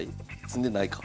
詰んでないか。